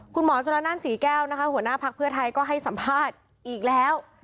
คุณหมอจุลนั่นศรีแก้วนะคะหัวหน้าพักเพื่อไทยก็ให้สัมภาษณ์อีกแล้ว